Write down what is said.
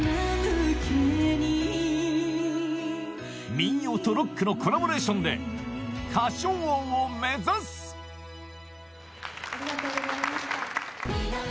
民謡とロックのコラボレーションで歌唱王を目指すありがとうございました。